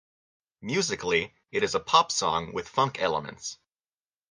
Musically, it is a pop song with funk elements.